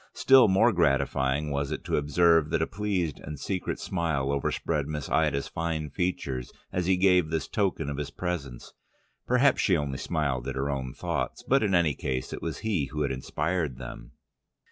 Still more gratifying was it to observe that a pleased and secret smile overspread Miss Ida's fine features as he gave this token of his presence: perhaps she only smiled at her own thoughts, but in any case it was he who had inspired them.